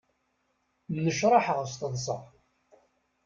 Nnecraḥeɣ s teḍṣa.